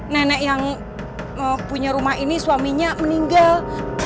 nenek yang punya rumah ini suaminya meninggal